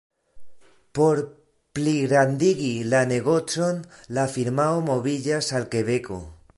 Por pligrandigi la negocon, la firmao moviĝas al Kebeko.